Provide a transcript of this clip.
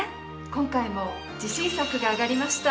今回も自信作が上がりました。